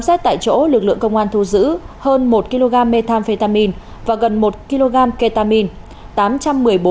xét tại chỗ lực lượng công an thu giữ hơn một kg methamphetamine và gần một kg ketamine